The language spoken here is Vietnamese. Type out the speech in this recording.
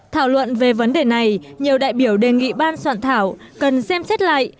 thảo luận về vấn đề này nhiều đại biểu đề nghị ban soạn thảo cần xem xét lại